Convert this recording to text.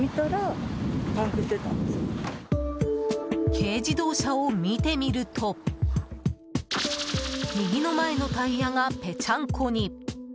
軽自動車を見てみると右の前のタイヤがぺちゃんこに。